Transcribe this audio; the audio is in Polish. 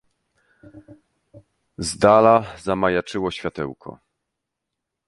Z dala zamajaczyło światełko.